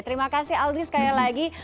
terima kasih aldi sekali lagi